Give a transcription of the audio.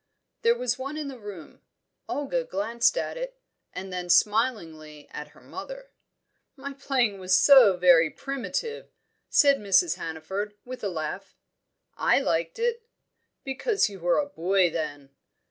There was one in the room. Olga glanced at it, and then smilingly at her mother. "My playing was so very primitive," said Mrs. Hannaford, with a laugh. "I liked it." "Because you were a boy then."